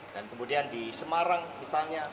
dan kemudian di semarang misalnya